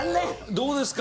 どうですか？